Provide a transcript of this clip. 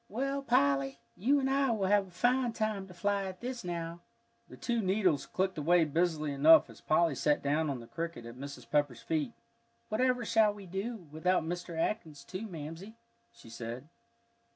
"Well, Polly, you and I will have a fine time to fly at this now." The two needles clicked away busily enough as Polly sat down on the cricket at Mrs. Pepper's feet. "Whatever should we do without Mr. Atkins, too, Mamsie?" she said.